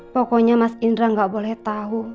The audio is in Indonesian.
pokoknya mas indra gak boleh tau